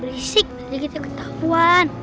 berisik nanti kita ketahuan